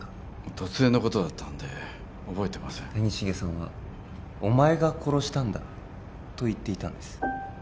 突然のことだったんで覚えてません谷繁さんは「お前が殺したんだ」と言っていたんです